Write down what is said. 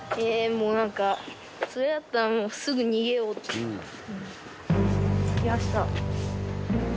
もうなんかそれだったらもうすぐ逃げよう。来ました。